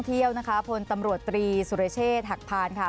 สวัสดีค่ะ